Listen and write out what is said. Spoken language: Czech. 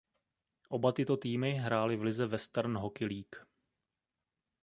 Oba tyto týmy hráli v lize Western Hockey League.